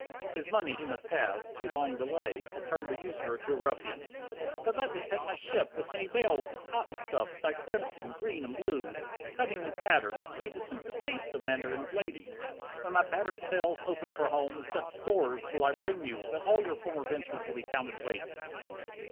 His money he must have, too long delay Had turned the usurer to a ruffian. "But let me take my ship, with many bales Of cotton stuffs dyed crimson, green, and blue, Cunningly patterned, made to suit the taste Of mandarin's ladies; when my battered sails Open for home, such stores will I bring you That all your former ventures will be counted waste.